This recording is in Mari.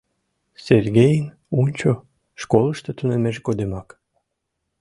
Сергейын Унчо школышто тунеммыж годымак!